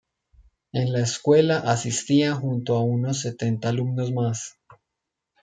En la escuela asistía junto a unos setenta alumnos más.